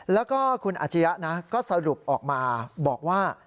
แล้วก็คุณอาชียะนะก็สรุปออกมาบอกว่า